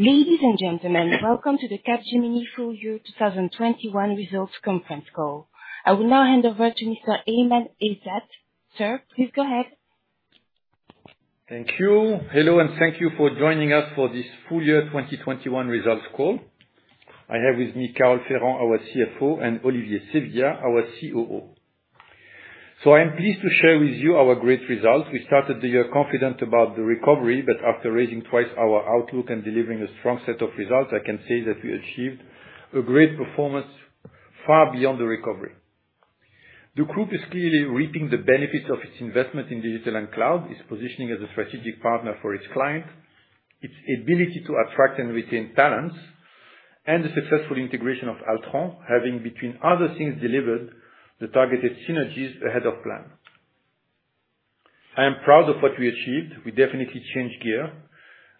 Ladies and gentlemen, welcome to the Capgemini full year 2021 results conference call. I will now hand over to Mr. Aiman Ezzat. Sir, please go ahead. Thank you. Hello, and thank you for joining us for this full year 2021 results call. I have with me Carole Ferrand, our CFO, and Olivier Sevillia, our COO. I am pleased to share with you our great results. We started the year confident about the recovery, but after raising twice our outlook and delivering a strong set of results, I can say that we achieved a great performance far beyond the recovery. The group is clearly reaping the benefits of its investment in digital and cloud, its positioning as a strategic partner for its client, its ability to attract and retain talents, and the successful integration of Altran, having, between other things, delivered the targeted synergies ahead of plan. I am proud of what we achieved. We definitely changed gear,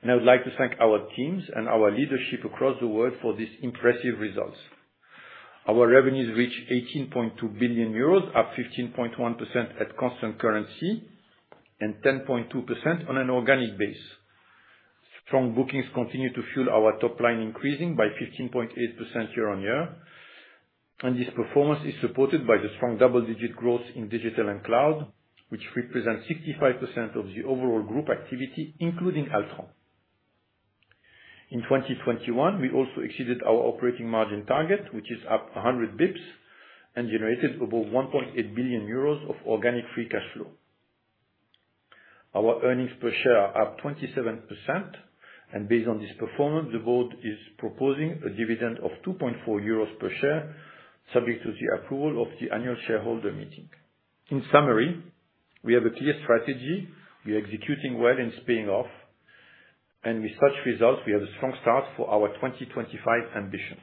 and I would like to thank our teams and our leadership across the world for these impressive results. Our revenues reach 18.2 billion euros, up 15.1% at constant currency and 10.2% on an organic basis. Strong bookings continue to fuel our top line, increasing by 15.8% year-on-year, and this performance is supported by the strong double-digit growth in digital and cloud, which represents 65% of the overall group activity, including Altran. In 2021, we also exceeded our operating margin target, which is up 100 basis points and generated above 1.8 billion euros of organic free cash flow. Our earnings per share are up 27% and based on this performance, the board is proposing a dividend of 2.4 euros per share, subject to the approval of the annual shareholder meeting. In summary, we have a clear strategy. We are executing well and it's paying off. With such results, we have a strong start for our 2025 ambitions.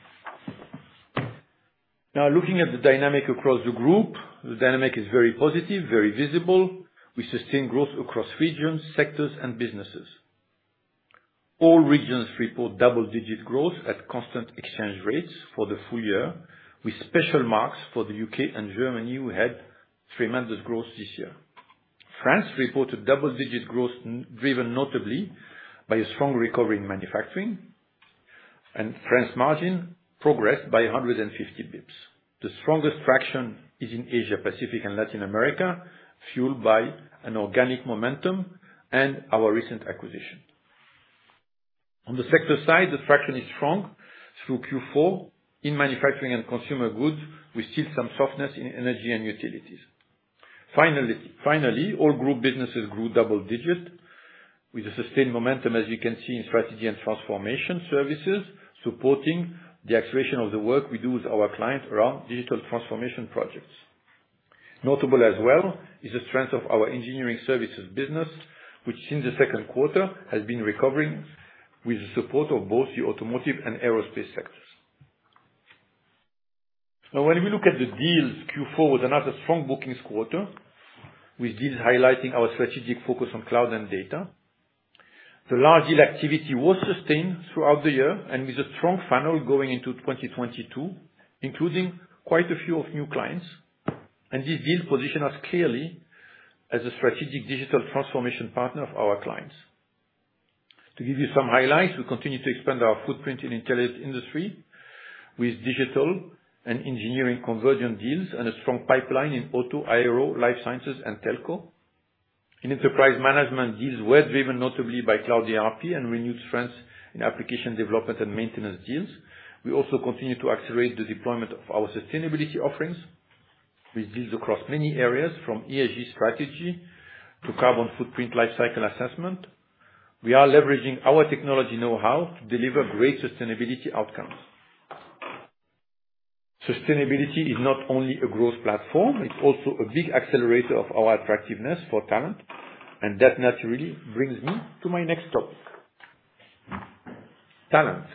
Now, looking at the dynamic across the group. The dynamic is very positive, very visible. We sustain growth across regions, sectors and businesses. All regions report double-digit growth at constant exchange rates for the full year, with special marks for the U.K. and Germany, who had tremendous growth this year. France reported double-digit growth, and driven notably by a strong recovery in manufacturing, and France margin progressed by 150 basis points. The strongest traction is in Asia, Pacific and Latin America, fueled by an organic momentum and our recent acquisition. On the sector side, the traction is strong through Q4 in manufacturing and consumer goods. We see some softness in energy and utilities. Finally, all group businesses grew double-digit with a sustained momentum, as you can see in strategy and transformation services, supporting the acceleration of the work we do with our clients around digital transformation projects. Notable as well is the strength of our engineering services business, which since the second quarter, has been recovering with the support of both the automotive and aerospace sectors. Now when we look at the deals, Q4 was another strong bookings quarter, with deals highlighting our strategic focus on cloud and data. The large deal activity was sustained throughout the year and with a strong funnel going into 2022, including quite a few of new clients. These deals position us clearly as a strategic digital transformation partner of our clients. To give you some highlights, we continue to expand our footprint in Intelligent Industry with digital and engineering conversion deals and a strong pipeline in auto, aero, life sciences and telco. In enterprise management, deals were driven notably by Cloud ERP and renewed strengths in application development and maintenance deals. We also continue to accelerate the deployment of our sustainability offerings with deals across many areas from ESG strategy to carbon footprint lifecycle assessment. We are leveraging our technology know-how to deliver great sustainability outcomes. Sustainability is not only a growth platform, it's also a big accelerator of our attractiveness for talent. That naturally brings me to my next topic, talent.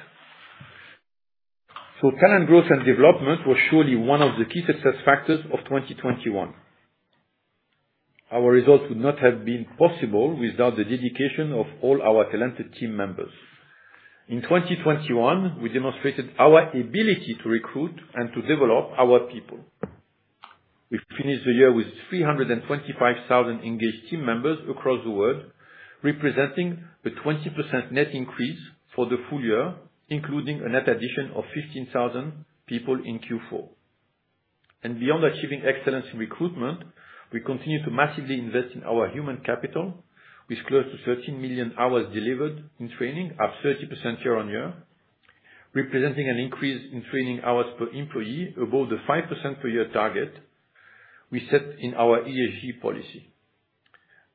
Talent growth and development was surely one of the key success factors of 2021. Our results would not have been possible without the dedication of all our talented team members. In 2021, we demonstrated our ability to recruit and to develop our people. We finished the year with 325,000 engaged team members across the world, representing a 20% net increase for the full year, including a net addition of 15,000 people in Q4. Beyond achieving excellence in recruitment, we continue to massively invest in our human capital with close to 13 million hours delivered in training, up 30% year-on-year, representing an increase in training hours per employee above the 5% per year target we set in our ESG policy.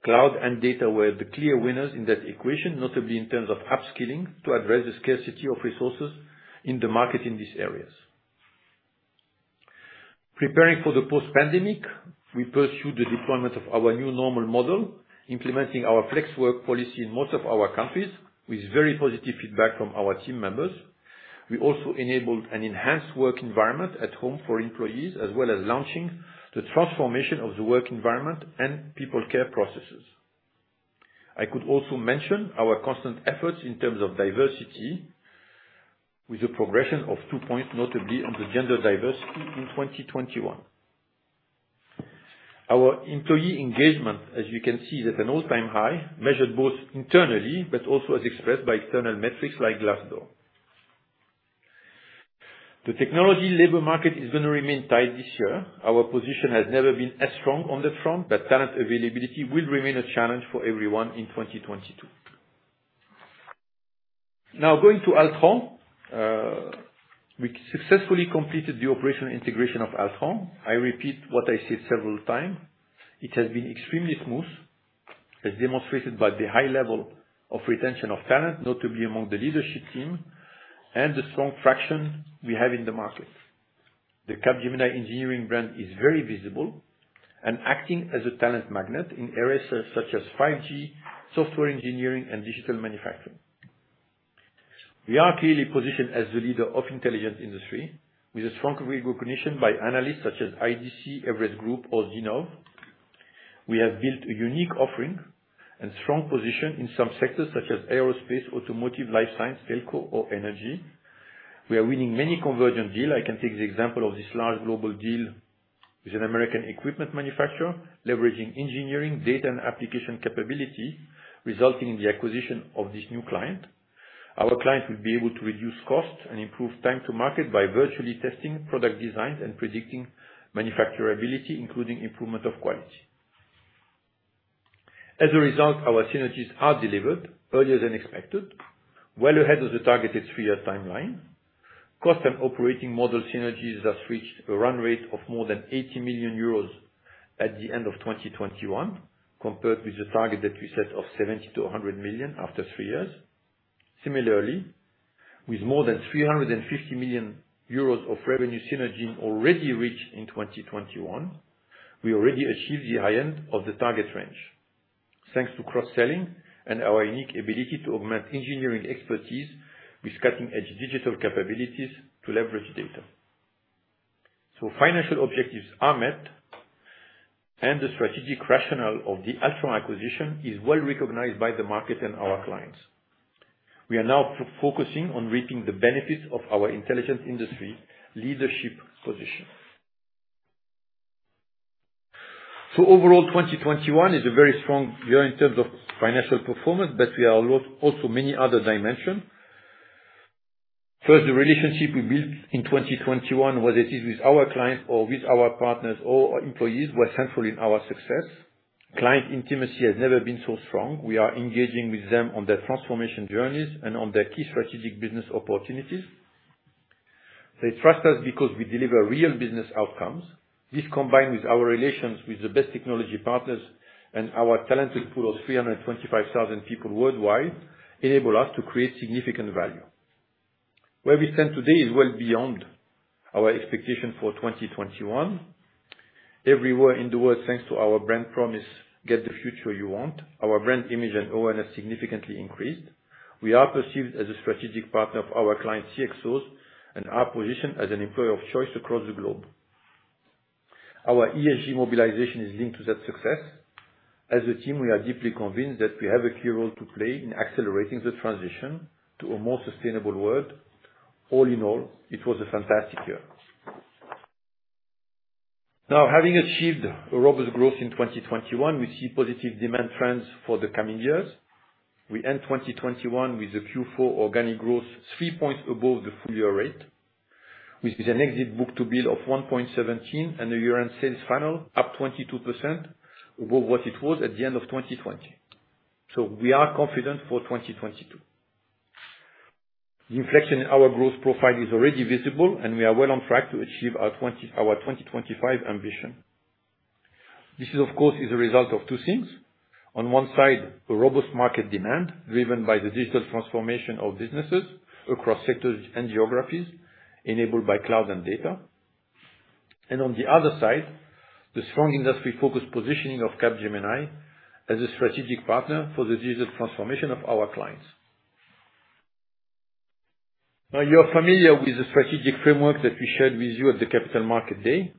Cloud and data were the clear winners in that equation, notably in terms of upskilling to address the scarcity of resources in the market in these areas. Preparing for the post-pandemic, we pursue the deployment of our new normal model, implementing our flex work policy in most of our countries with very positive feedback from our team members. We also enabled an enhanced work environment at home for employees, as well as launching the transformation of the work environment and people care processes. I could also mention our constant efforts in terms of diversity with the progression of two points, notably on the gender diversity in 2021. Our employee engagement, as you can see, is at an all-time high, measured both internally but also as expressed by external metrics like Glassdoor. The technology labor market is gonna remain tight this year. Our position has never been as strong on that front, but talent availability will remain a challenge for everyone in 2022. Now going to Altran. We successfully completed the operational integration of Altran. I repeat what I said several times. It has been extremely smooth, as demonstrated by the high level of retention of talent, notably among the leadership team and the strong traction we have in the market. The Capgemini Engineering brand is very visible and acting as a talent magnet in areas such as 5G, software engineering and digital manufacturing. We are clearly positioned as the leader of Intelligent Industry with a strong recognition by analysts such as IDC, Everest Group or Zinnov. We have built a unique offering and strong position in some sectors such as aerospace, automotive, life science, telco or energy. We are winning many convergent deal. I can take the example of this large global deal with an American equipment manufacturer, leveraging engineering, data and application capability, resulting in the acquisition of this new client. Our client will be able to reduce costs and improve time to market by virtually testing product designs and predicting manufacturability, including improvement of quality. As a result, our synergies are delivered earlier than expected, well ahead of the targeted three-year timeline. Cost and operating model synergies have reached a run rate of more than 80 million euros at the end of 2021, compared with the target that we set of 70 million-100 million after three years. Similarly, with more than 350 million euros of revenue synergy already reached in 2021, we already achieved the high end of the target range. Thanks to cross-selling and our unique ability to augment engineering expertise with cutting-edge digital capabilities to leverage data. Financial objectives are met, and the strategic rationale of the Altran acquisition is well recognized by the market and our clients. We are now focusing on reaping the benefits of our Intelligent Industry leadership position. Overall, 2021 is a very strong year in terms of financial performance, but we are also in many other dimensions. First, the relationship we built in 2021, whether it is with our clients or with our partners or our employees, were central in our success. Client intimacy has never been so strong. We are engaging with them on their transformation journeys and on their key strategic business opportunities. They trust us because we deliver real business outcomes. This, combined with our relations with the best technology partners and our talented pool of 325,000 people worldwide, enable us to create significant value. Where we stand today is well beyond our expectation for 2021. Everywhere in the world, thanks to our brand promise, Get the Future You Want, our brand image and awareness significantly increased. We are perceived as a strategic partner of our client CxOs and are positioned as an employer of choice across the globe. Our ESG mobilization is linked to that success. As a team, we are deeply convinced that we have a key role to play in accelerating the transition to a more sustainable world. All in all, it was a fantastic year. Now, having achieved a robust growth in 2021, we see positive demand trends for the coming years. We end 2021 with the Q4 organic growth three points above the full-year rate, with an exit book-to-bill of 1.17 and a year-end sales funnel up 22% above what it was at the end of 2020. We are confident for 2022. The inflection in our growth profile is already visible, and we are well on track to achieve our 2025 ambition. This is, of course, a result of two things. On one side, a robust market demand driven by the digital transformation of businesses across sectors and geographies enabled by cloud and data. On the other side, the strong industry-focused positioning of Capgemini as a strategic partner for the digital transformation of our clients. Now, you're familiar with the strategic framework that we shared with you at the Capital Markets Day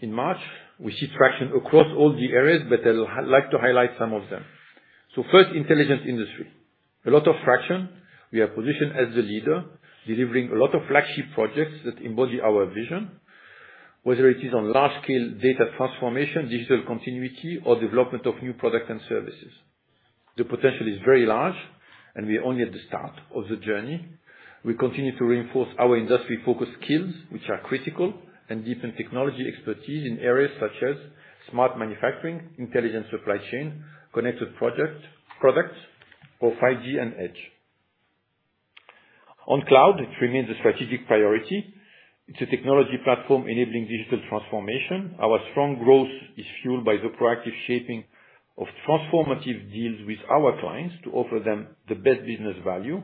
in March. We see traction across all the areas, but I'd like to highlight some of them. First, Intelligent Industry. A lot of traction. We are positioned as the leader, delivering a lot of flagship projects that embody our vision, whether it is on large-scale data transformation, digital continuity, or development of new products and services. The potential is very large, and we are only at the start of the journey. We continue to reinforce our industry-focused skills, which are critical and deepen technology expertise in areas such as smart manufacturing, intelligent supply chain, connected products for 5G and Edge. On cloud, it remains a strategic priority. It's a technology platform enabling digital transformation. Our strong growth is fueled by the proactive shaping of transformative deals with our clients to offer them the best business value.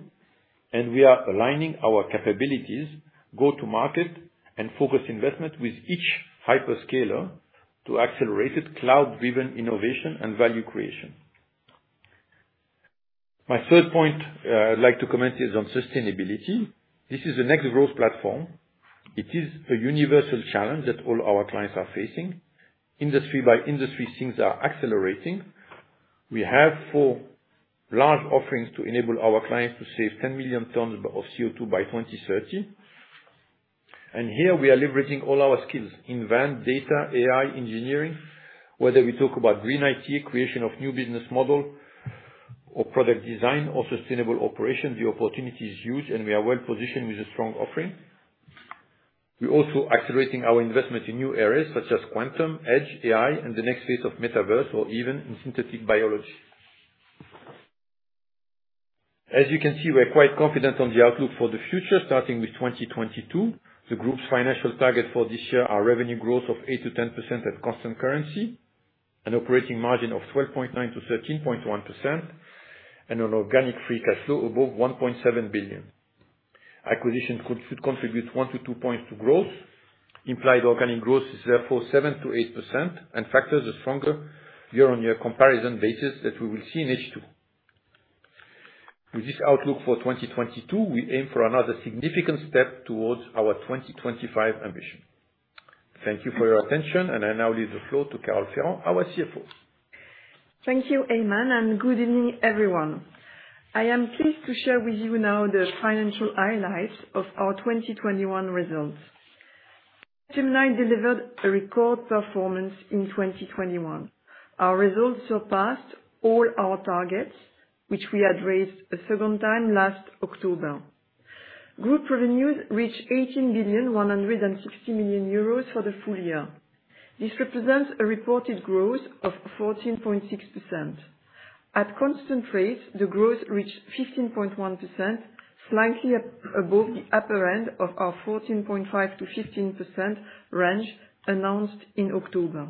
We are aligning our capabilities, go to market and focus investment with each hyperscaler to accelerated cloud-driven innovation and value creation. My third point, I'd like to comment is on sustainability. This is the next growth platform. It is a universal challenge that all our clients are facing. Industry by industry things are accelerating. We have four large offerings to enable our clients to save 10 million tons of CO2 by 2030. Here we are leveraging all our skills, Invent data, AI engineering, whether we talk about green IT, creation of new business model or product design or sustainable operation, the opportunity is huge and we are well-positioned with a strong offering. We're also accelerating our investment in new areas such as Quantum, Edge, AI and the next phase of Metaverse, or even in synthetic biology. As you can see, we're quite confident on the outlook for the future, starting with 2022. The group's financial targets for this year are revenue growth of 8%-10% at constant currency, an operating margin of 12.9%-13.1%, and an organic free cash flow above 1.7 billion. Acquisition should contribute 1-2 points to growth. Implied organic growth is therefore 7%-8% and factors a stronger year-on-year comparison basis that we will see in H2. With this outlook for 2022, we aim for another significant step towards our 2025 ambition. Thank you for your attention, and I now leave the floor to Carole Ferrand, our CFO. Thank you, Aiman Ezzat, and good evening, everyone. I am pleased to share with you now the financial highlights of our 2021 results. Capgemini delivered a record performance in 2021. Our results surpassed all our targets, which we addressed a second time last October. Group revenues reached 18.16 billion for the full year. This represents a reported growth of 14.6%. At constant rates, the growth reached 15.1%, slightly above the upper end of our 14.5%-15% range announced in October.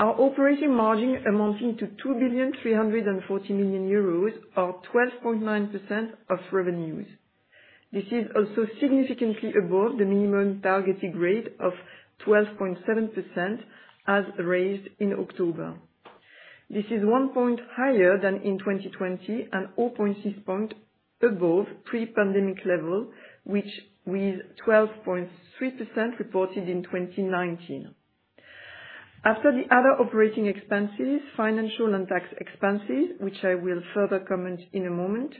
Our operating margin amounting to 2.34 billion euros, or 12.9% of revenues. This is also significantly above the minimum targeted rate of 12.7% as raised in October. This is 1 point higher than in 2020 and 0.6 point above pre-pandemic level, which was 12.3% reported in 2019. After the other operating expenses, financial and tax expenses, which I will further comment on in a moment,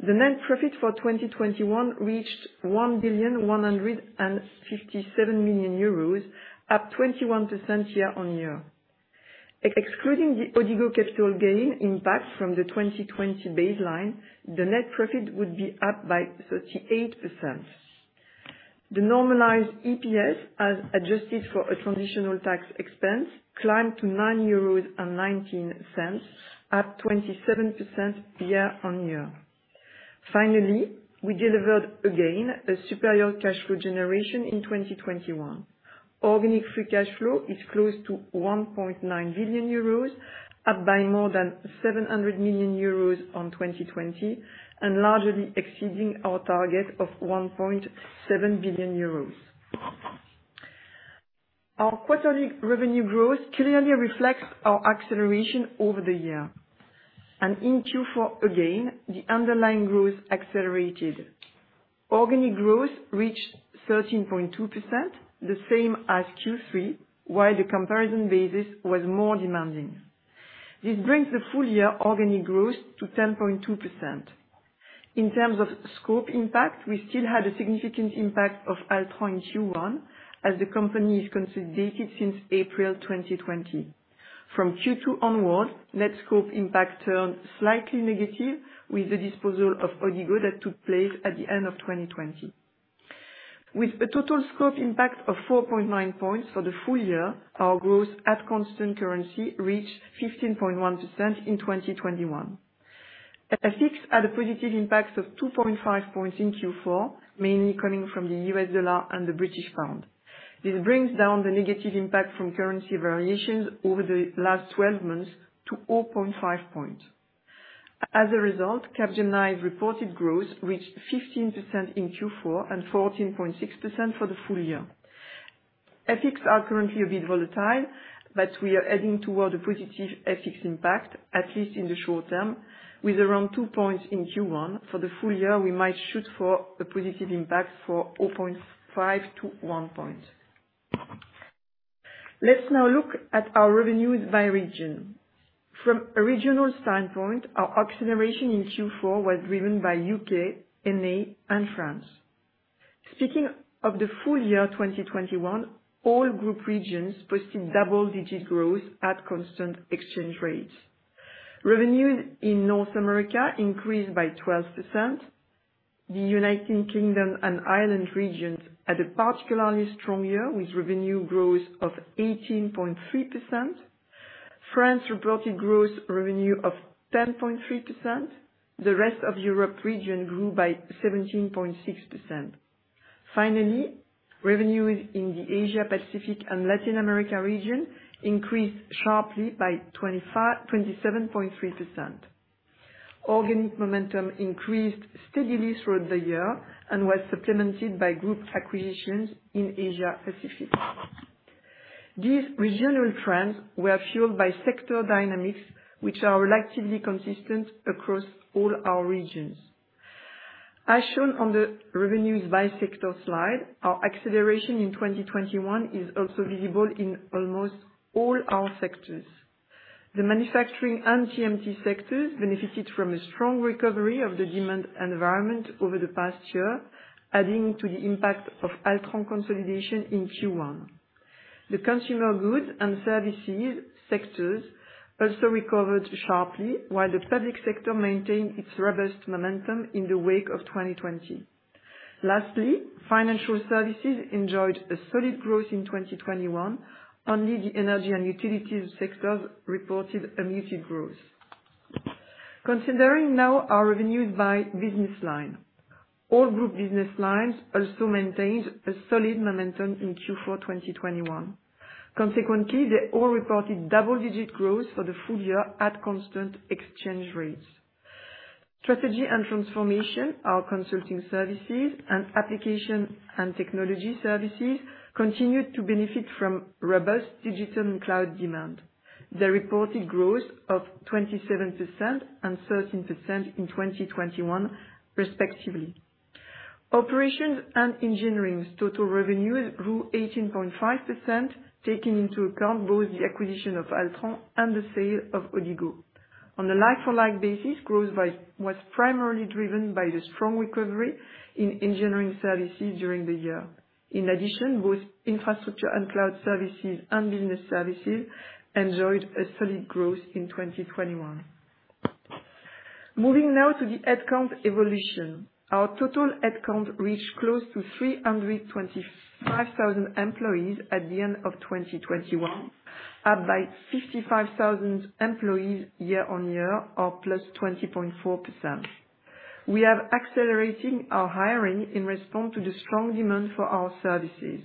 the net profit for 2021 reached 1.157 billion, up 21% year-on-year. Excluding the Odigo capital gain impact from the 2020 baseline, the net profit would be up by 38%. The normalized EPS, as adjusted for a transitional tax expense, climbed to 9.19 euros, up 27% year-on-year. Finally, we delivered again a superior cash flow generation in 2021. Organic free cash flow is close to 1.9 billion euros, up by more than 700 million euros on 2020, and largely exceeding our target of 1.7 billion euros. Our quarterly revenue growth clearly reflects our acceleration over the year. In Q4, again, the underlying growth accelerated. Organic growth reached 13.2%, the same as Q3, while the comparison basis was more demanding. This brings the full year organic growth to 10.2%. In terms of scope impact, we still had a significant impact of Altran in Q1 as the company is consolidated since April 2020. From Q2 onwards, net scope impact turned slightly negative with the disposal of Odigo that took place at the end of 2020. With a total scope impact of 4.9 points for the full year, our growth at constant currency reached 15.1% in 2021. FX had a positive impact of 2.5 points in Q4, mainly coming from the US dollar and the British pound. This brings down the negative impact from currency variations over the last 12 months to 0.5 points. As a result, Capgemini reported growth reached 15% in Q4 and 14.6% for the full year. FX are currently a bit volatile, but we are heading toward a positive FX impact, at least in the short term, with around 2 points in Q1. For the full year, we might shoot for a positive impact for 0.5-1 point. Let's now look at our revenues by region. From a regional standpoint, our acceleration in Q4 was driven by U.K., N.A. and France. Speaking of the full year 2021, all group regions posted double-digit growth at constant exchange rates. Revenues in North America increased by 12%. The United Kingdom and Ireland region had a particularly strong year, with revenue growth of 18.3%. France reported revenue growth of 10.3%. The rest of Europe region grew by 17.6%. Finally, revenues in the Asia, Pacific and Latin America region increased sharply by 27.3%. Organic momentum increased steadily throughout the year and was supplemented by group acquisitions in Asia Pacific. These regional trends were fueled by sector dynamics, which are relatively consistent across all our regions. As shown on the revenues by sector slide, our acceleration in 2021 is also visible in almost all our sectors. The manufacturing and TMT sectors benefited from a strong recovery of the demand environment over the past year, adding to the impact of Altran consolidation in Q1. The consumer goods and services sectors also recovered sharply, while the public sector maintained its robust momentum in the wake of 2020. Financial services enjoyed a solid growth in 2021. Only the energy and utilities sectors reported a muted growth. Considering now our revenues by business line. All group business lines also maintained a solid momentum in Q4 2021. Consequently, they all reported double-digit growth for the full year at constant exchange rates. Strategy & Transformation, our consulting services, and Applications & Technology Services continued to benefit from robust digital and cloud demand. They reported growth of 27% and 13% in 2021 respectively. Operations & Engineering's total revenues grew 18.5%, taking into account both the acquisition of Altran and the sale of Odigo. On a like-for-like basis, growth was primarily driven by the strong recovery in engineering services during the year. In addition, both infrastructure and cloud services and business services enjoyed a solid growth in 2021. Moving now to the headcount evolution. Our total headcount reached close to 325,000 employees at the end of 2021, up by 55,000 employees year on year or +20.4%. We are accelerating our hiring in response to the strong demand for our services.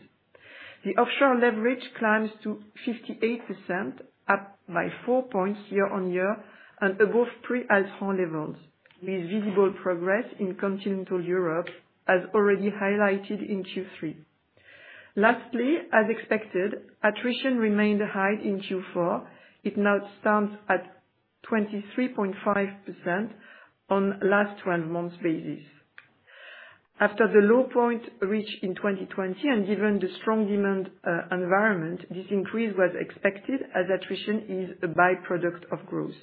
The offshore leverage climbs to 58%, up by four points year-on-year, and above pre-Altran levels, with visible progress in continental Europe, as already highlighted in Q3. Lastly, as expected, attrition remained high in Q4. It now stands at 23.5% on last twelve months basis. After the low point reached in 2020 and given the strong demand environment, this increase was expected as attrition is a by-product of growth.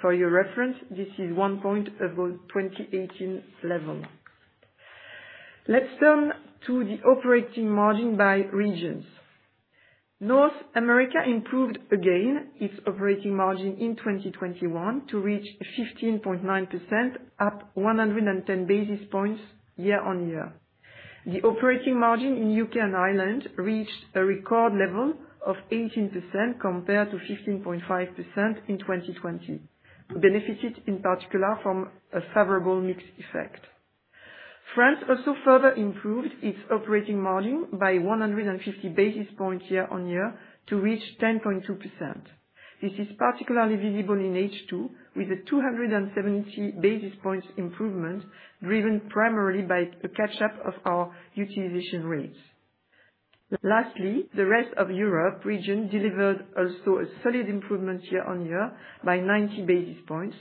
For your reference, this is one point above 2018 level. Let's turn to the operating margin by regions. North America improved again its operating margin in 2021 to reach 15.9%, up 110 basis points year-on-year. The operating margin in U.K. and Ireland reached a record level of 18% compared to 15.5% in 2020, benefited in particular from a favorable mix effect. France also further improved its operating margin by 150 basis points year-on-year to reach 10.2%. This is particularly visible in H2, with a 270 basis points improvement, driven primarily by a catch-up of our utilization rates. Lastly, the rest of Europe region delivered also a solid improvement year-on-year by 90 basis points.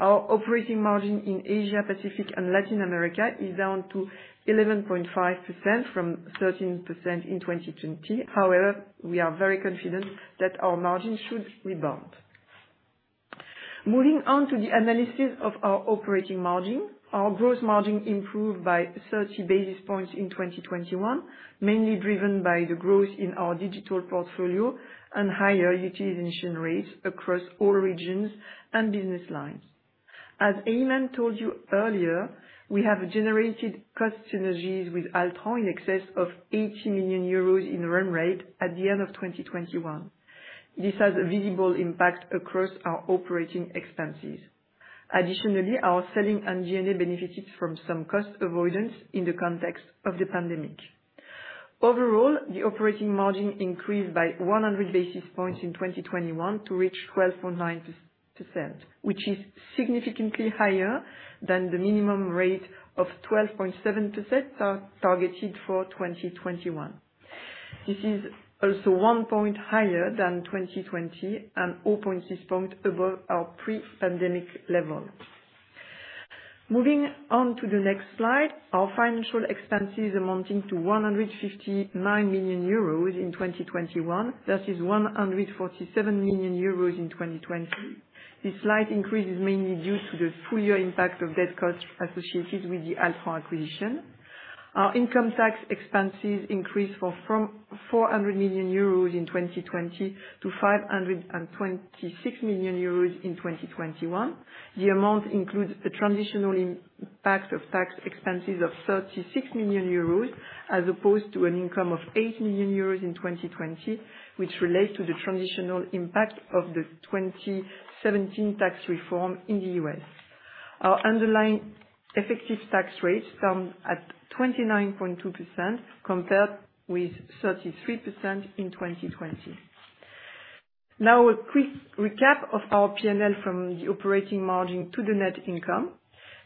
Our operating margin in Asia Pacific and Latin America is down to 11.5% from 13% in 2020. However, we are very confident that our margin should rebound. Moving on to the analysis of our operating margin. Our gross margin improved by 30 basis points in 2021, mainly driven by the growth in our digital portfolio and higher utilization rates across all regions and business lines. As Aiman told you earlier, we have generated cost synergies with Altran in excess of 80 million euros in run rate at the end of 2021. This has a visible impact across our operating expenses. Additionally, our selling and G&A benefited from some cost avoidance in the context of the pandemic. Overall, the operating margin increased by 100 basis points in 2021 to reach 12.9%, which is significantly higher than the minimum rate of 12.7% targeted for 2021. This is also 1 point higher than 2020 and 0.6 points above our pre-pandemic level. Moving on to the next slide. Our financial expenses amounting to 159 million euros in 2021, that is 147 million euros in 2020. This slight increase is mainly due to the full year impact of debt costs associated with the Altran acquisition. Our income tax expenses increased from 400 million euros in 2020 to 526 million euros in 2021. The amount includes a transitional impact of tax expenses of 36 million euros, as opposed to an income of 8 million euros in 2020, which relates to the transitional impact of the 2017 tax reform in the U.S. Our underlying effective tax rate stand at 29.2% compared with 33% in 2020. Now, a quick recap of our P&L from the operating margin to the net income.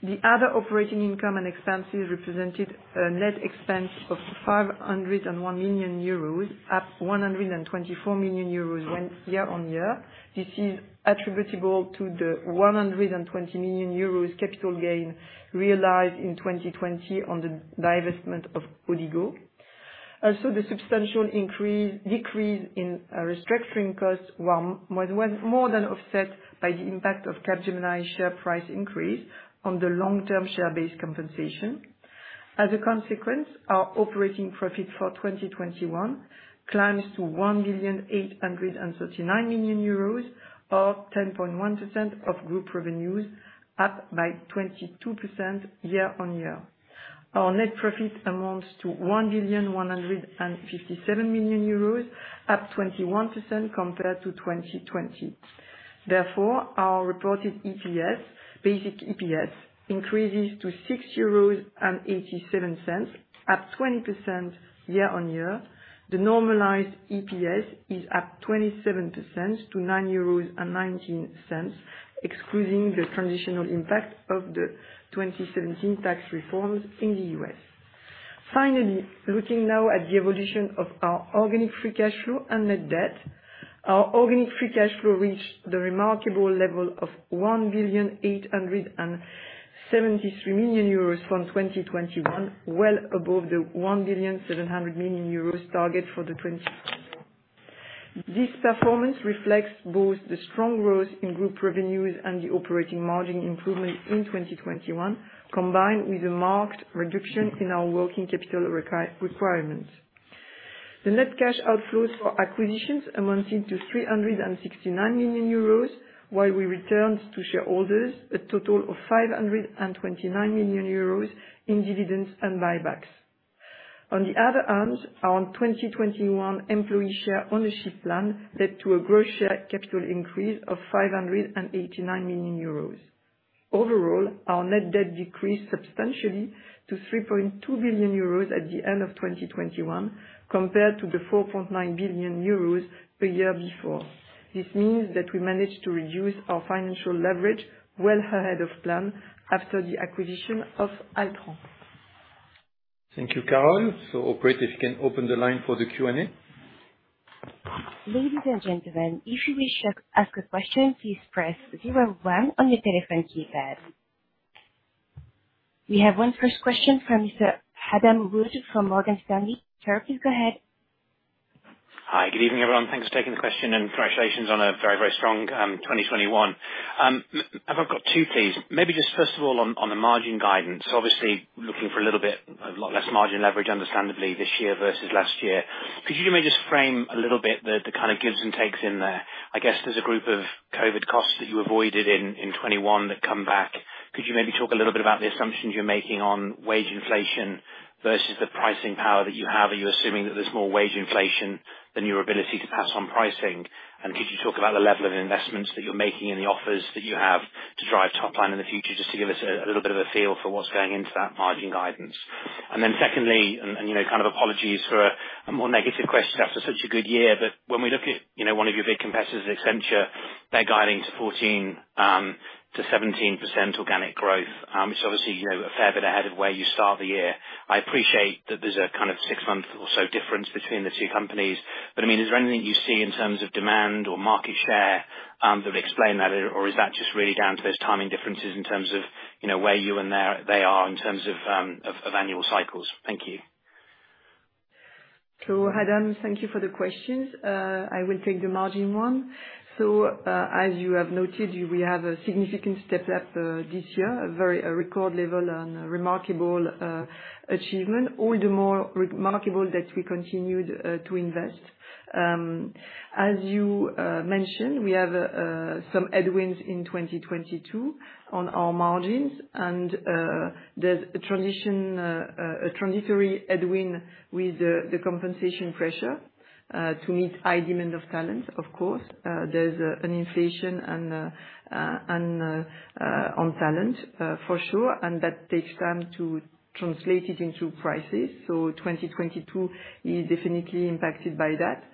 The other operating income and expenses represented a net expense of 501 million euros, up 124 million euros year on year. This is attributable to the 120 million euros capital gain realized in 2020 on the divestment of Odigo. Also, the substantial decrease in restructuring costs were more than offset by the impact of Capgemini share price increase on the long-term share-based compensation. As a consequence, our operating profit for 2021 climbs to 1,839 million euros or 10.1% of group revenues, up by 22% year-on-year. Our net profit amounts to 1,157 million euros, up 21% compared to 2020. Therefore, our reported EPS, basic EPS, increases to 6.87 euros, up 20% year-on-year. The normalized EPS is up 27% to 9.19 euros, excluding the transitional impact of the 2017 tax reforms in the U.S. Finally, looking now at the evolution of our organic free cash flow and net debt. Our organic free cash flow reached the remarkable level of 1,873 million euros in 2021, well above the 1,700 million euros target for the twenty. This performance reflects both the strong growth in group revenues and the operating margin improvement in 2021, combined with a marked reduction in our working capital requirements. The net cash outflows for acquisitions amounted to EUR 369 million, while we returned to shareholders a total of EUR 529 million in dividends and buybacks. On the other hand, our 2021 employee share ownership plan led to a gross share capital increase of 589 million euros. Overall, our net debt decreased substantially to 3.2 billion euros at the end of 2021 compared to the 4.9 billion euros the year before. This means that we managed to reduce our financial leverage well ahead of plan after the acquisition of Altran. Thank you, Carole. Operator, if you can open the line for the Q&A. Ladies and gentlemen, if you wish to ask a question, please press zero one on your telephone keypad. We have our first question from Mr. Adam Wood from Morgan Stanley. Sir, please go ahead. Hi, good evening, everyone. Thanks for taking the question and congratulations on a very, very strong 2021. I've got two, please. Maybe just first of all on the margin guidance, obviously looking for a little bit, a lot less margin leverage, understandably, this year versus last year. Could you maybe just frame a little bit the kind of gives and takes in there? I guess there's a group of COVID costs that you avoided in 2021 that come back. Could you maybe talk a little bit about the assumptions you're making on wage inflation versus the pricing power that you have? Are you assuming that there's more wage inflation than your ability to pass on pricing? Could you talk about the level of investments that you're making in the offers that you have to drive top line in the future, just to give us a little bit of a feel for what's going into that margin guidance? Then secondly, you know, kind of apologies for a more negative question after such a good year, but when we look at, you know, one of your big competitors, Accenture, they're guiding to 14 to 17% organic growth. So obviously, you know, a fair bit ahead of where you start the year. I appreciate that there's a kind of six-month or so difference between the two companies. I mean, is there anything that you see in terms of demand or market share that explain that? Is that just really down to those timing differences in terms of, you know, where you and they are in terms of annual cycles? Thank you. Adam, thank you for the questions. I will take the margin one. As you have noted, we have a significant step up this year, a record level and a remarkable achievement. All the more remarkable that we continued to invest. As you mentioned, we have some headwinds in 2022 on our margins and there's a transition, a transitory headwind with the compensation pressure to meet high demand of talent, of course. There's an inflation and on talent for sure. That takes time to translate it into prices. 2022 is definitely impacted by that.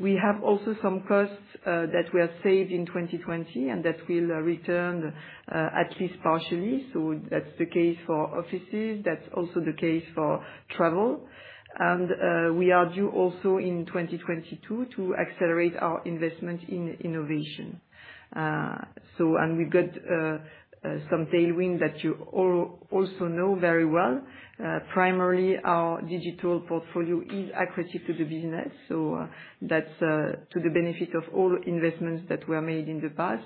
We have also some costs that we have saved in 2020, and that will return at least partially. That's the case for offices. That's also the case for travel. We are due also in 2022 to accelerate our investment in innovation. We've got some tailwind that you also know very well. Primarily our digital portfolio is accretive to the business. That's to the benefit of all investments that were made in the past.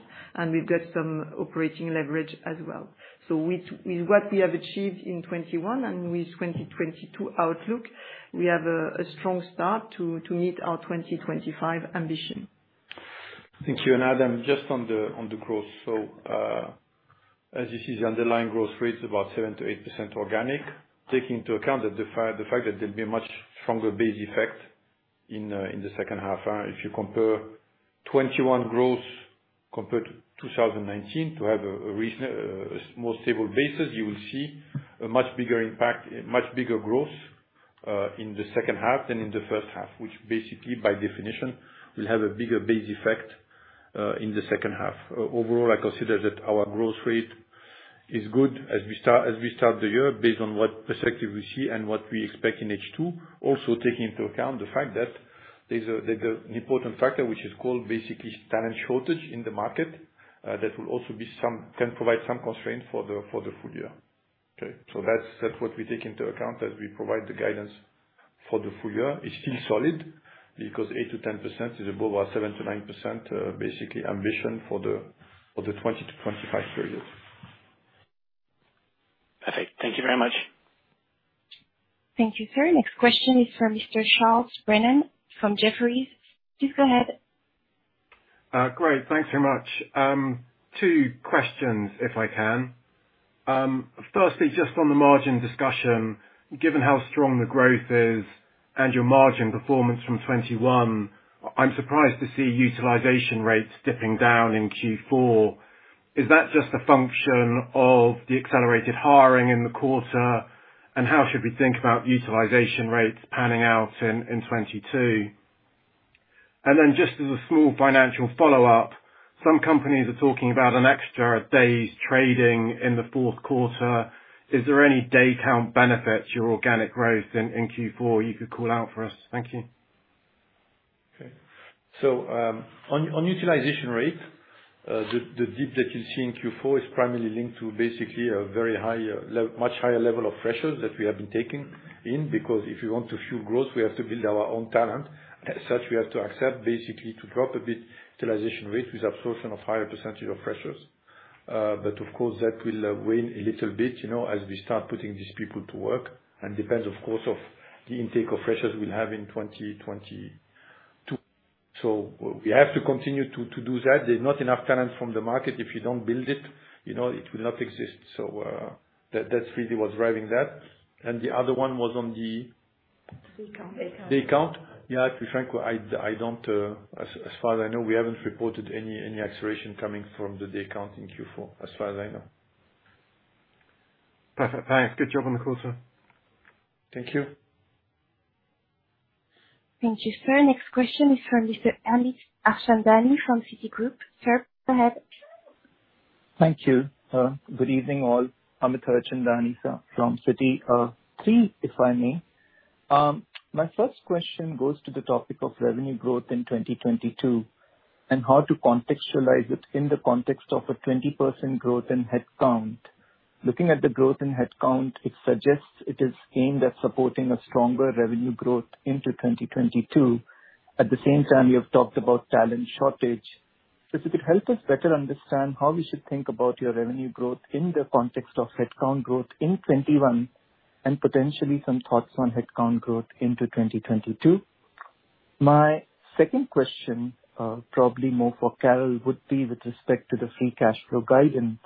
We've got some operating leverage as well. With what we have achieved in 2021 and with 2022 outlook, we have a strong start to meet our 2025 ambition. Thank you. Adam, just on the growth. As you see the underlying growth rate is about 7%-8% organic, taking into account the fact that there'll be a much stronger base effect in the second half. If you compare 2021 growth compared to 2019 to have a reasonable more stable basis, you will see a much bigger impact, a much bigger growth in the second half than in the first half, which basically by definition will have a bigger base effect in the second half. Overall, I consider that our growth rate is good as we start the year based on what prospects we see and what we expect in H2. Also taking into account the fact that there's an important factor which is called basically talent shortage in the market, that will also can provide some constraint for the full year. Okay, that's what we take into account as we provide the guidance for the full year. It's still solid because 8%-10% is above our 7%-9%, basically ambition for the 2020-2025 period. Perfect. Thank you very much. Thank you, sir. Next question is from Mr. Charles Brennan from Jefferies. Please go ahead. Great. Thanks very much. Two questions if I can. Firstly, just on the margin discussion, given how strong the growth is and your margin performance from 2021, I'm surprised to see utilization rates dipping down in Q4. Is that just a function of the accelerated hiring in the quarter? How should we think about utilization rates panning out in 2022? Just as a small financial follow-up, some companies are talking about an extra day's trading in the fourth quarter. Is there any day count benefit to your organic growth in Q4 you could call out for us? Thank you. Okay. On utilization rate, the dip that you see in Q4 is primarily linked to basically a much higher level of freshers that we have been taking in, because if you want to fuel growth, we have to build our own talent. As such, we have to accept basically to drop a bit utilization rate with absorption of higher percentage of freshers. But of course, that will wane a little bit, you know, as we start putting these people to work and it depends, of course, on the intake of freshers we'll have in 2022. We have to continue to do that. There's not enough talent from the market. If you don't build it, you know, it will not exist. That really was driving that. The other one was on the day count. Yeah, to be frank, as far as I know, we haven't reported any acceleration coming from the day count in Q4, as far as I know. Perfect. Thanks. Good job on the quarter. Thank you. Thank you, sir. Next question is from Mr. Amit Harchandani from Citigroup. Sir, go ahead. Thank you. Good evening all. Amit Harchandani from Citi. Three if I may. My first question goes to the topic of revenue growth in 2022 and how to contextualize it in the context of a 20% growth in head count. Looking at the growth in head count, it suggests it is aimed at supporting a stronger revenue growth into 2022. At the same time, you have talked about talent shortage. If you could help us better understand how we should think about your revenue growth in the context of head count growth in 2021 and potentially some thoughts on head count growth into 2022. My second question, probably more for Carole, would be with respect to the free cash flow guidance.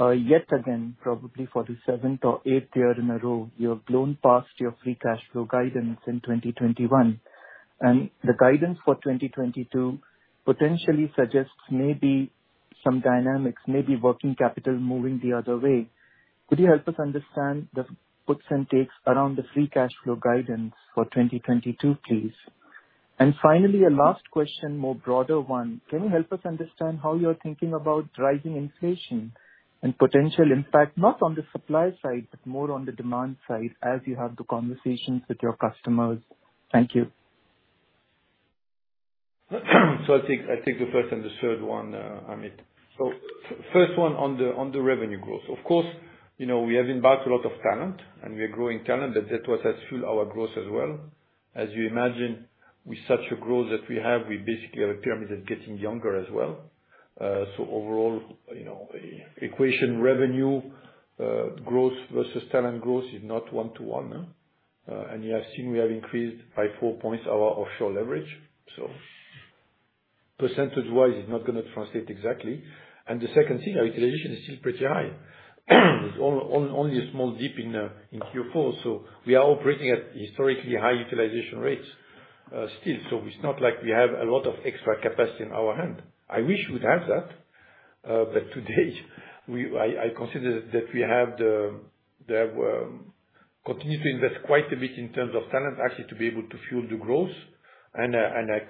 Yet again, probably for the seventh or eighth year in a row, you have blown past your free cash flow guidance in 2021. The guidance for 2022 potentially suggests maybe some dynamics, maybe working capital moving the other way. Could you help us understand the puts and takes around the free cash flow guidance for 2022, please? Finally, a last question, more broader one. Can you help us understand how you're thinking about rising inflation and potential impact, not on the supply side, but more on the demand side as you have the conversations with your customers? Thank you. I'll take the first and the third one, Amit. First one on the revenue growth. Of course, you know, we have added a lot of talent and we are growing talent. That was to fuel our growth as well. As you imagine, with such a growth that we have, we basically are a pyramid that's getting younger as well. Overall, you know, the equation, revenue growth versus talent growth, is not one to one, and you have seen we have increased by four points our offshore leverage. Percentage-wise it's not gonna translate exactly. The second thing, our utilization is still pretty high. It's only a small dip in Q4. We are operating at historically high utilization rates, still. It's not like we have a lot of extra capacity in our hand. I wish we'd have that. But today, I consider that we have to continue to invest quite a bit in terms of talent, actually, to be able to fuel the growth. I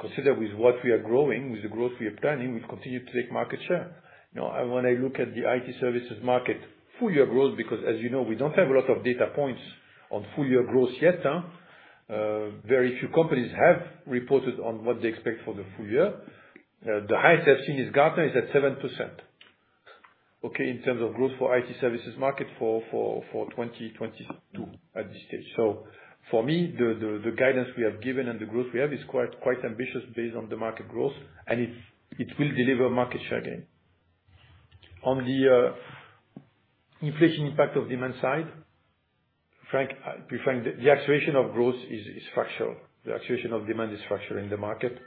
consider with what we are growing, with the growth we are planning, we've continued to take market share. You know, when I look at the IT services market full year growth, because as you know, we don't have a lot of data points on full year growth yet, very few companies have reported on what they expect for the full year. The highest I've seen is Gartner is at 7%. Okay, in terms of growth for IT services market for 2022 at this stage. For me, the guidance we have given and the growth we have is quite ambitious based on the market growth. It will deliver market share gain. On the inflation impact of demand side, to be frank, the acceleration of growth is structural. The acceleration of demand is structural in the market.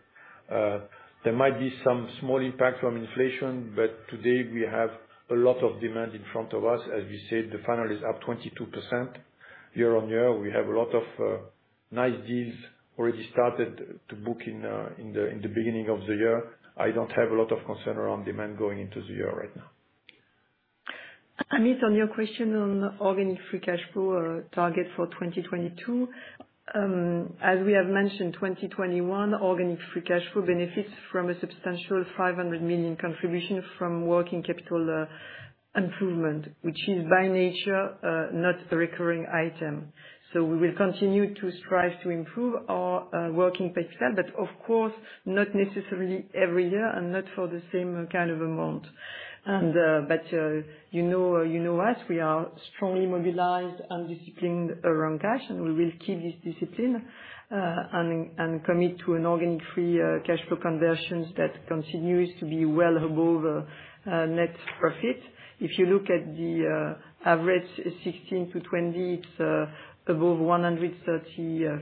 There might be some small impact from inflation, but today we have a lot of demand in front of us. As we said, the funnel is up 22% year-on-year. We have a lot of nice deals already started to book in in the beginning of the year. I don't have a lot of concern around demand going into the year right now. Amit, on your question on organic free cash flow target for 2022, as we have mentioned, 2021 organic free cash flow benefits from a substantial 500 million contribution from working capital. Improvement, which is by nature, not a recurring item. We will continue to strive to improve our working capital, but of course, not necessarily every year and not for the same kind of amount. You know us, we are strongly mobilized and disciplined around cash, and we will keep this discipline, and commit to an organic free cash flow conversion that continues to be well above net profit. If you look at the average 16-20, it's above 135%. Last year,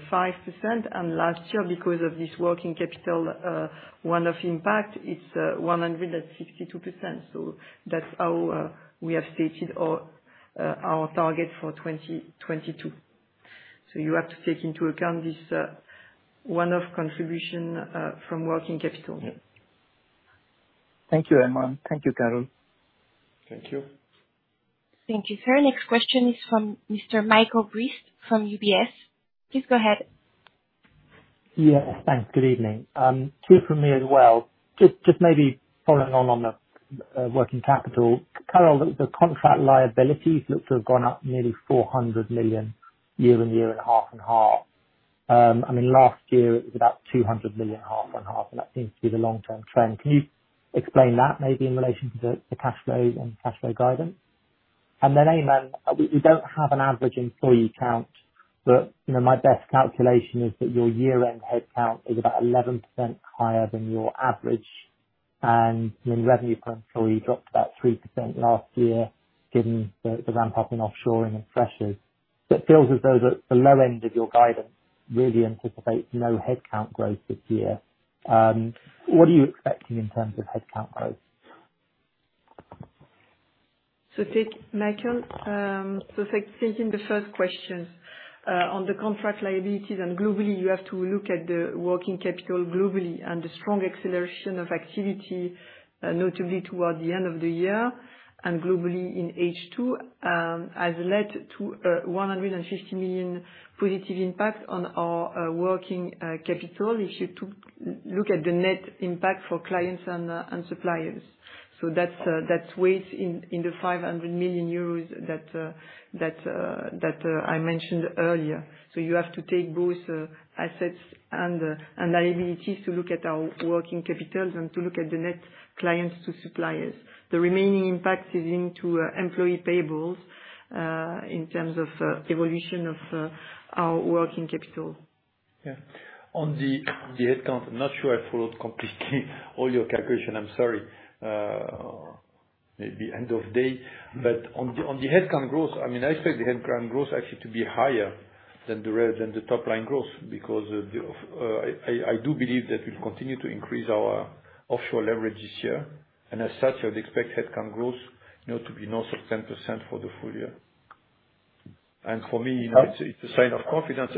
because of this working capital one-off impact, it's 162%. That's how we have stated our target for 2022. You have to take into account this one-off contribution from working capital. Thank you, Aiman. Thank you, Carole. Thank you. Thank you, sir. Next question is from Mr. Michael Briest from UBS. Please go ahead. Yeah. Thanks. Good evening. Two from me as well. Just maybe following on the working capital. Carole, the contract liabilities look to have gone up nearly 400 million year-on-year and half-and-half. I mean, last year it was about 200 million half-and-half, and that seems to be the long-term trend. Can you explain that maybe in relation to the cash flow and cash flow guidance? Then, Aiman, we don't have an average employee count, but you know, my best calculation is that your year-end head count is about 11% higher than your average. Then revenue per employee dropped about 3% last year, given the ramp up in offshoring and freshers. It feels as though the low end of your guidance really anticipates no head count growth this year. What are you expecting in terms of head count growth? Michael, taking the first question on the contract liabilities, and globally, you have to look at the working capital globally and the strong acceleration of activity, notably toward the end of the year and globally in H2, has led to 150 million positive impact on our working capital. If you look at the net impact for clients and suppliers, that's weighed in the 500 million euros that I mentioned earlier. You have to take both assets and liabilities to look at our working capitals and to look at the net clients to suppliers. The remaining impact is into employee payables in terms of evolution of our working capital. On the head count, I'm not sure I followed completely all your calculation. I'm sorry. Maybe end of day. On the head count growth, I mean, I expect the head count growth actually to be higher than the top line growth because of the, I do believe that we'll continue to increase our offshore leverage this year. As such, I'd expect head count growth, you know, to be north of 10% for the full year. For me, you know, it's a sign of confidence.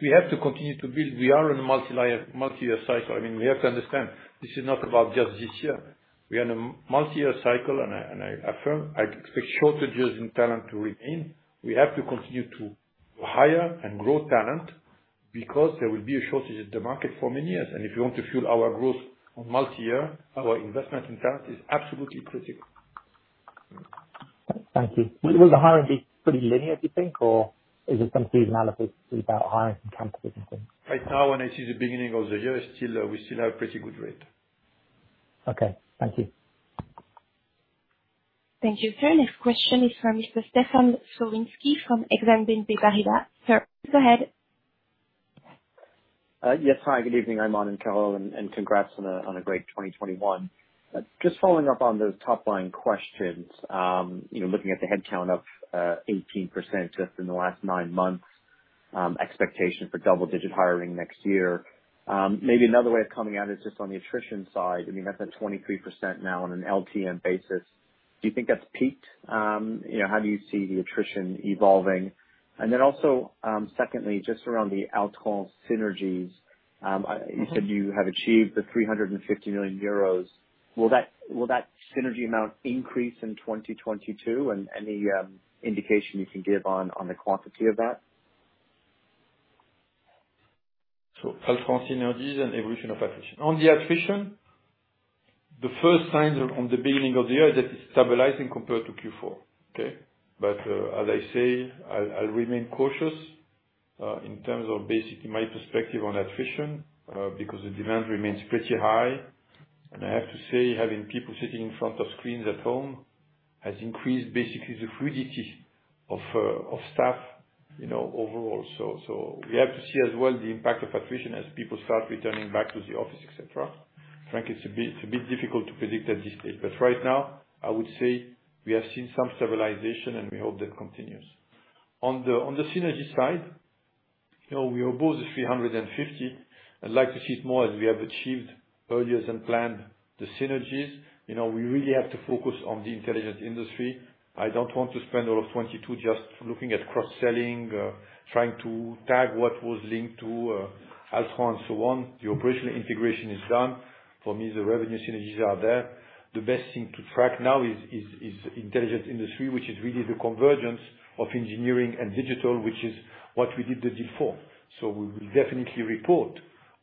We have to continue to build. We are in a multi-layer, multi-year cycle. I mean, we have to understand, this is not about just this year. We are in a multi-year cycle, and I affirm, I expect shortages in talent to remain. We have to continue to hire and grow talent because there will be a shortage in the market for many years. If you want to fuel our growth on multi-year, our investment in talent is absolutely critical. Thank you. Will the hiring be pretty linear, do you think, or is it some seasonality about hiring from campuses and things? Right now, when I see the beginning of the year, still, we still have pretty good rate. Okay. Thank you. Thank you, sir. Next question is from Mr. Stefan Slowinski from Exane BNP Paribas. Sir, go ahead. Yes. Hi, good evening, Aiman and Carole, and congrats on a great 2021. Just following up on those top line questions. You know, looking at the head count of 18% just in the last nine months, expectation for double-digit hiring next year. Maybe another way of coming at it is just on the attrition side. I mean, that's at 23% now on an LTM basis. Do you think that's peaked? You know, how do you see the attrition evolving? Then also, secondly, just around the Altran synergies. Mm-hmm. You said you have achieved 350 million euros. Will that synergy amount increase in 2022? Any indication you can give on the quantity of that? Altran synergies and evolution of attrition. On the attrition, the first signs at the beginning of the year that it's stabilizing compared to Q4, okay? As I say, I'll remain cautious in terms of basically my perspective on attrition because the demand remains pretty high. I have to say, having people sitting in front of screens at home has increased basically the fluidity of staff, you know, overall. We have to see as well the impact of attrition as people start returning back to the office, et cetera. Frankly, it's a bit difficult to predict at this stage. Right now, I would say we have seen some stabilization, and we hope that continues. On the synergy side, you know, we are above 350. I'd like to see it more as we have achieved earlier than planned the synergies. You know, we really have to focus on the Intelligent Industry. I don't want to spend all of 2022 just looking at cross-selling, trying to tag what was linked to Altran and so on. The operational integration is done. For me, the revenue synergies are there. The best thing to track now is Intelligent Industry, which is really the convergence of engineering and digital, which is what we did the deal for. We will definitely report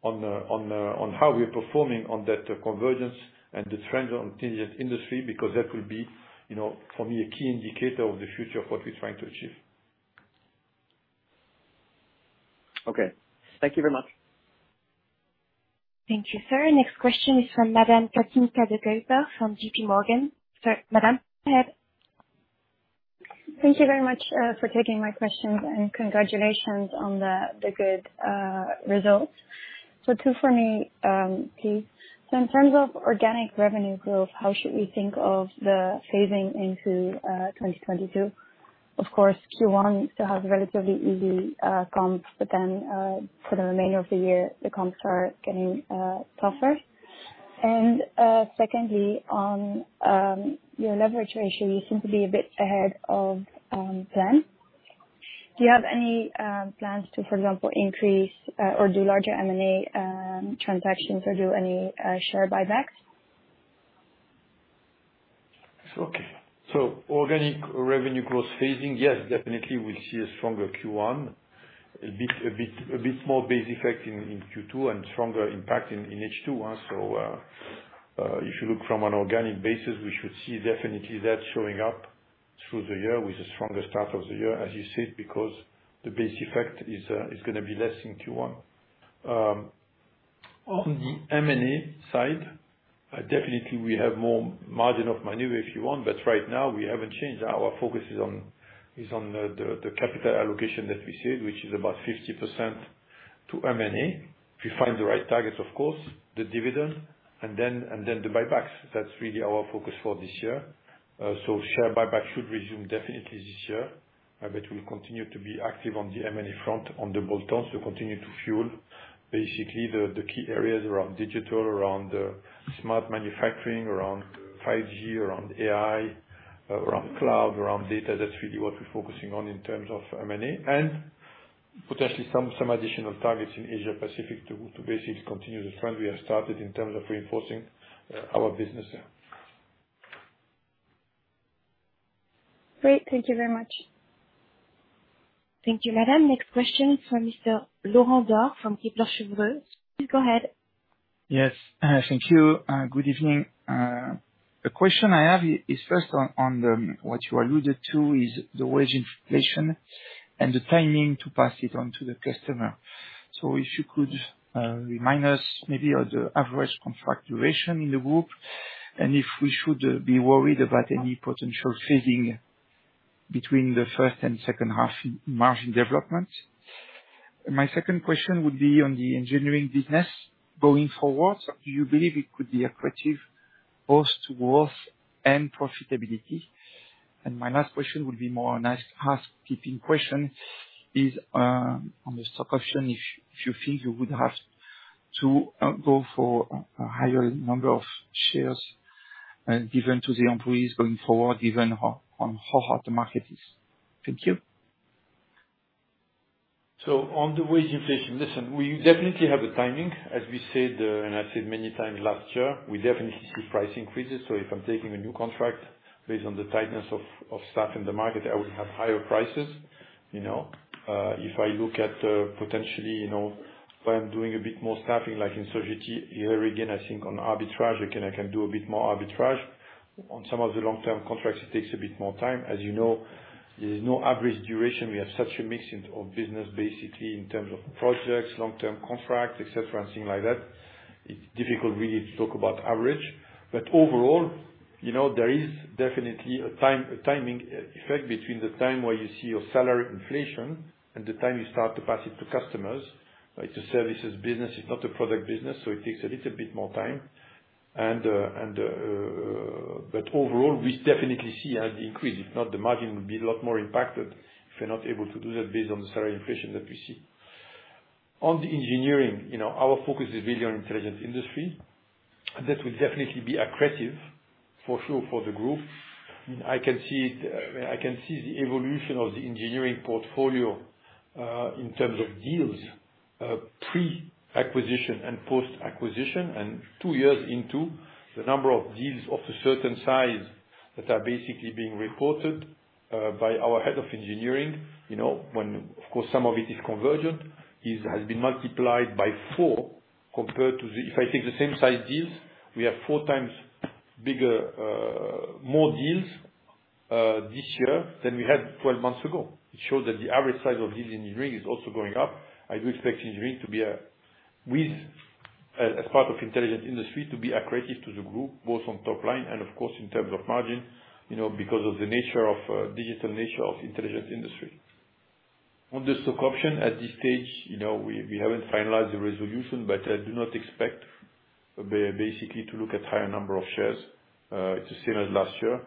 on how we are performing on that convergence and the trends on Intelligent Industry, because that will be, you know, for me, a key indicator of the future of what we're trying to achieve. Okay, thank you very much. Thank you, sir. Next question is from Madame Katya de Graaf from JPMorgan. Sir, Madame, go ahead. Thank you very much for taking my questions and congratulations on the good results. Two for me, please. In terms of organic revenue growth, how should we think of the phasing into 2022? Of course, Q1 still has relatively easy comps, but then for the remainder of the year, the comps are getting tougher. Secondly, on your leverage ratio, you seem to be a bit ahead of plan. Do you have any plans to, for example, increase or do larger M&A transactions or do any share buybacks? Okay. Organic revenue growth phasing, yes, definitely we see a stronger Q1, a bit more base effect in Q2 and stronger impact in H2, if you look from an organic basis, we should see definitely that showing up through the year with a stronger start of the year, as you said, because the base effect is gonna be less in Q1. On the M&A side, definitely we have more margin of maneuver if you want, but right now we haven't changed. Our focus is on the capital allocation that we said, which is about 50% to M&A. If we find the right targets, of course, the dividend and then the buybacks, that's really our focus for this year. Share buyback should resume definitely this year, but we'll continue to be active on the M&A front on the bolt-ons to continue to fuel basically the key areas around digital, around smart manufacturing, around 5G, around AI, around cloud, around data. That's really what we're focusing on in terms of M&A. Potentially some additional targets in Asia Pacific to basically continue the trend we have started in terms of reinforcing our business there. Great. Thank you very much. Thank you, Madame. Next question from Mr. Laurent Daure from Kepler Cheuvreux. Please go ahead. Yes. Thank you. Good evening. The question I have is first on what you alluded to, is the wage inflation and the timing to pass it on to the customer. If you could remind us maybe of the average contract duration in the group, and if we should be worried about any potential phasing between the first and second half in margin development. My second question would be on the engineering business. Going forward, do you believe it could be accretive both to growth and profitability? My last question would be more on a housekeeping question, is on the stock option, if you think you would have to go for a higher number of shares given to the employees going forward, given how hot the market is. Thank you. On the wage inflation, listen, we definitely have the timing. As we said, and I said many times last year, we definitely see price increases, so if I'm taking a new contract based on the tightness of staff in the market, I would have higher prices. You know, if I look at potentially, you know, if I am doing a bit more staffing, like in Sogeti, here again, I think on arbitrage, again, I can do a bit more arbitrage. On some of the long-term contracts, it takes a bit more time. As you know, there's no average duration. We have such a mixing of business, basically, in terms of projects, long-term contracts, et cetera, and things like that, it's difficult really to talk about average. Overall, you know, there is definitely a time, a timing, effect between the time where you see your salary inflation and the time you start to pass it to customers, right? The services business, it's not a product business, so it takes a little bit more time. Overall, we definitely see an increase. If not, the margin would be a lot more impacted if we're not able to do that based on the salary inflation that we see. On the engineering, you know, our focus is really on Intelligent Industry. That will definitely be accretive for sure for the group. I can see the evolution of the engineering portfolio, in terms of deals, pre-acquisition and post-acquisition, and two years into the number of deals of a certain size that are basically being reported by our head of engineering. Of course, some of it is convergent. It has been multiplied by four compared to. If I take the same size deals, we have four times bigger, more deals, this year than we had twelve months ago. It shows that the average size of deals in engineering is also going up. I do expect engineering to be with, as part of Intelligent Industry, to be accretive to the group, both on top line and of course in terms of margin, you know, because of the nature of, digital nature of Intelligent Industry. On the stock option, at this stage, you know, we haven't finalized the resolution, but I do not expect basically to look at higher number of shares. It's the same as last year.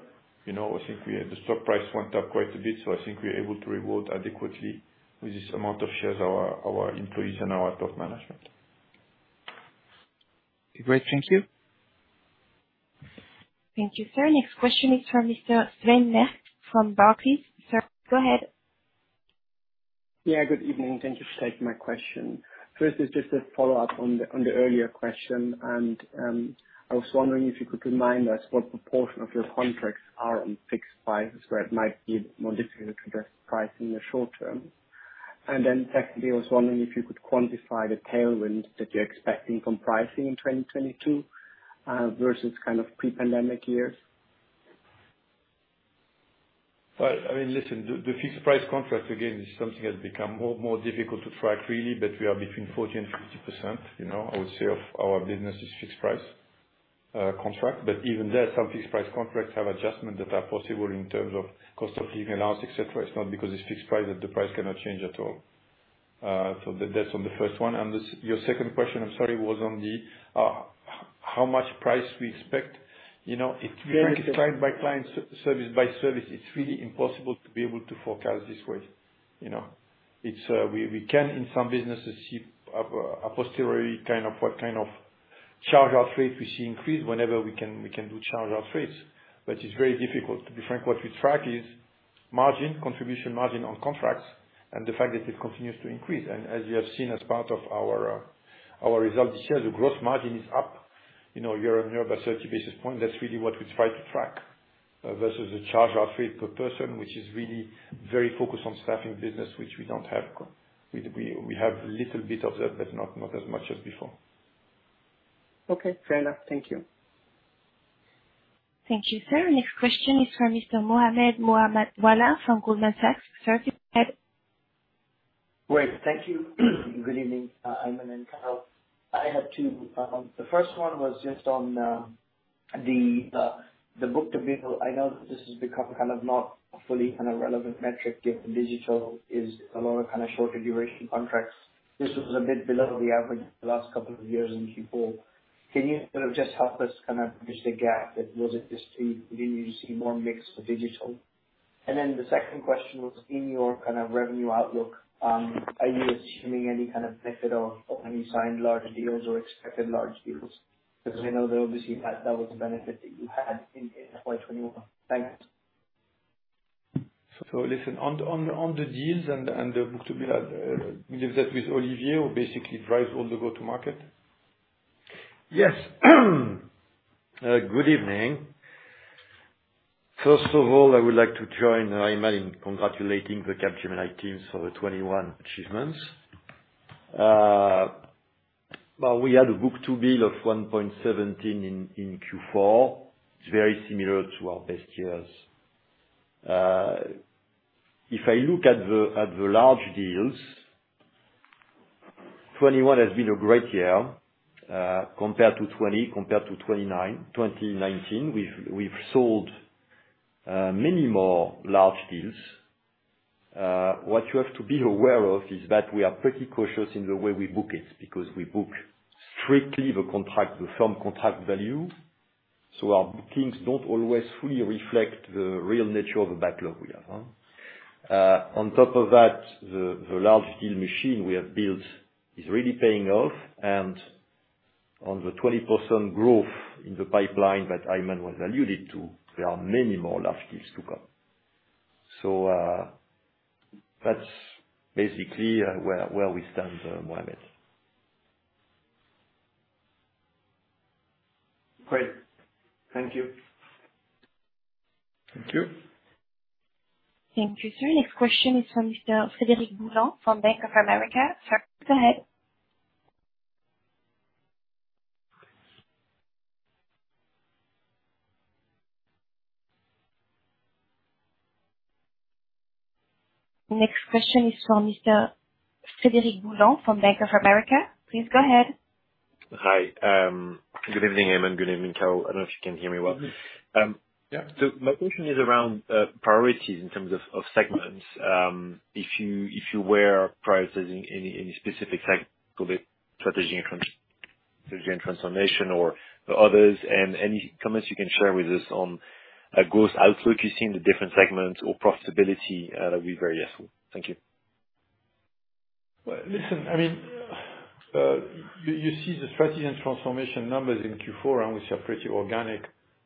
You know, I think the stock price went up quite a bit, so I think we're able to reward adequately with this amount of shares our employees and our top management. Great. Thank you. Thank you, sir. Next question is from Mr. Sven Merkt from Barclays. Sir, go ahead. Yeah, good evening. Thank you for taking my question. First is just a follow-up on the earlier question. I was wondering if you could remind us what proportion of your contracts are on fixed price, where it might be more difficult to adjust price in the short term. Then secondly, I was wondering if you could quantify the tailwinds that you're expecting from pricing in 2022 versus kind of pre-pandemic years? Well, I mean, listen, the fixed price contract, again, is something that has become more difficult to track really, but we are between 40% and 50%, you know, I would say of our business is fixed price contract. Even there, some fixed price contracts have adjustments that are possible in terms of cost of living allowance, et cetera. It's not because it's fixed price that the price cannot change at all. That's on the first one. Your second question, I'm sorry, was on how much price we expect. You know, it's very different by client, service by service. It's really impossible to be able to forecast this way, you know. We can in some businesses see a posteriori kind of what kind of charge-out rate we see increase whenever we can do charge-out rates. It's very difficult. To be frank, what we track is margin, contribution margin on contracts, and the fact that it continues to increase. As you have seen as part of our result this year, the growth margin is up, you know, year-on-year by 30 basis points. That's really what we try to track versus the charge-out rate per person, which is really very focused on staffing business, which we don't have. We have a little bit of that, but not as much as before. Okay, fair enough. Thank you. Thank you, sir. Next question is from Mr. Mohammed Moawalla from Goldman Sachs. Sir, go ahead. Great. Thank you. Good evening, Aiman and Carole. I have two. The first one was just on the book-to-bill. I know this has become kind of not a fully kind of relevant metric, given digital is a lot of kind of shorter duration contracts. This was a bit below the average the last couple of years in Q4. Can you sort of just help us kind of bridge the gap? That was it just to. Did you see more mix to digital? Then the second question was in your kind of revenue outlook, are you assuming any kind of benefit of when you signed large deals or expected large deals? Because I know that obviously that was a benefit that you had in 2021. Thanks. Listen, on the deals and the book-to-bill, leave that with Olivier, who basically drives all the go-to-market. Yes. Good evening. First of all, I would like to join Aiman in congratulating the Capgemini teams for the 2021 achievements. We had a book-to-bill of 1.17 in Q4. It's very similar to our best years. If I look at the large deals, 2021 has been a great year, compared to 2020, compared to 2019. We've sold many more large deals. What you have to be aware of is that we are pretty cautious in the way we book it, because we book strictly the contract, the firm contract value. Our bookings don't always fully reflect the real nature of the backlog we have. On top of that, the large deal machine we have built is really paying off. On the 20% growth in the pipeline that Aiman was alluding to, there are many more large deals to come. That's basically where we stand, Mohammed. Great. Thank you. Thank you. Thank you, sir. Next question is from Mr. Frederic Boulan from Bank of America. Sir, go ahead. The next question is from Mr. Frederic Boulan from Bank of America. Please go ahead. Hi. Good evening, Aiman. Good evening, Carole. I don't know if you can hear me well. Mm-hmm. Yeah. My question is around priorities in terms of segments. If you were prioritizing any specific sector, strategy, and transformation, or others. Any comments you can share with us on growth outlook you see in the different segments or profitability that would be very useful. Thank you. Well, listen, I mean, you see the strategy and transformation numbers in Q4, which are pretty organic.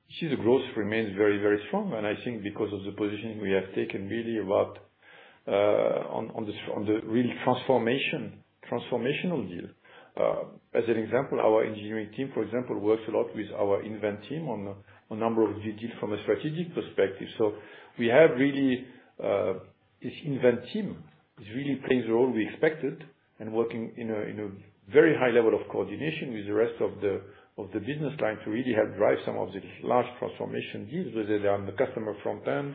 You see the growth remains very, very strong. I think because of the positioning we have taken really about on the real transformation, transformational deal. As an example, our engineering team, for example, works a lot with our Invent team on a number of deals from a strategic perspective. We have really this Invent team is really playing the role we expected and working in a very high level of coordination with the rest of the business line to really help drive some of the large transformation deals, whether they are on the customer front end,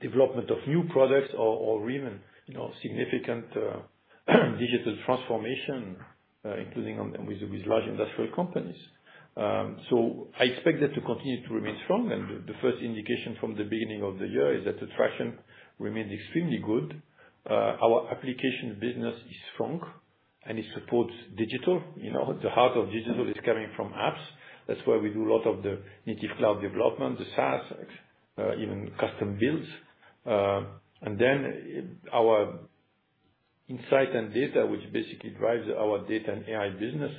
development of new products or even, you know, significant digital transformation, including on the. With large industrial companies, I expect that to continue to remain strong. The first indication from the beginning of the year is that the traction remains extremely good. Our application business is strong, and it supports digital. You know, the heart of digital is coming from apps. That's why we do a lot of the native cloud development, the SaaS, even custom builds. Then our Insights and Data, which basically drives our data and AI business,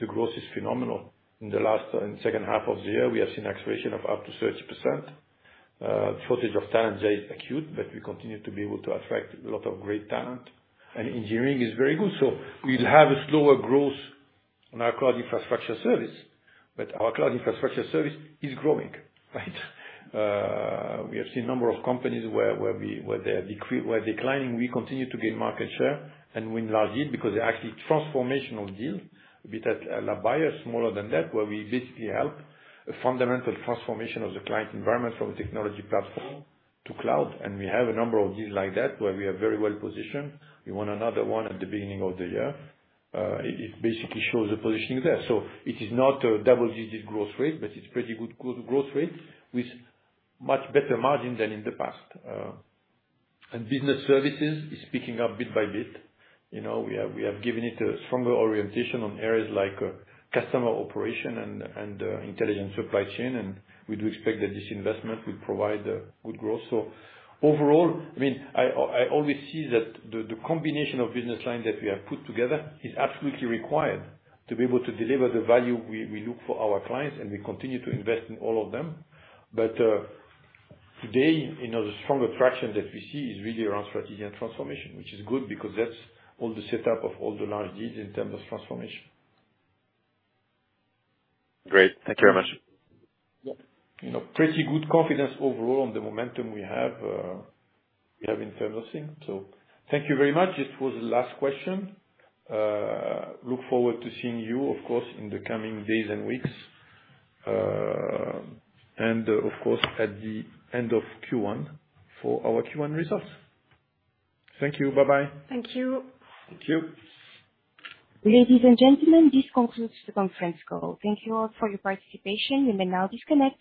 the growth is phenomenal. In the second half of the year, we have seen acceleration of up to 30%. Shortage of talent there is acute, but we continue to be able to attract a lot of great talent. Engineering is very good. We'll have a slower growth on our cloud infrastructure service, but our cloud infrastructure service is growing, right? We have seen a number of companies where they're declining, we continue to gain market share and win large deals because they're actually transformational deals. Be that large buy or smaller than that, where we basically help a fundamental transformation of the client environment from a technology platform to cloud. We have a number of deals like that, where we are very well positioned. We won another one at the beginning of the year. It basically shows the positioning there. It is not a double-digit growth rate, but it's pretty good growth rate with much better margin than in the past. Business services is picking up bit by bit. You know, we have given it a stronger orientation on areas like customer operation and intelligent supply chain, and we do expect that this investment will provide good growth. Overall, I mean, I always see that the combination of business lines that we have put together is absolutely required to be able to deliver the value we look for our clients, and we continue to invest in all of them. Today, you know, the stronger traction that we see is really around strategy and transformation, which is good because that's all the setup of all the large deals in terms of transformation. Great. Thank you very much. You know, pretty good confidence overall on the momentum we have in front of us here. Thank you very much. This was the last question. Look forward to seeing you, of course, in the coming days and weeks. Of course, at the end of Q1 for our Q1 results. Thank you. Bye-bye. Thank you. Thank you. Ladies and gentlemen, this concludes the conference call. Thank you all for your participation. You may now disconnect.